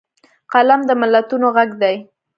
قلم د ملتونو غږ دی